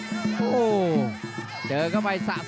เสริมหักทิ้งลงไปครับรอบเย็นมากครับ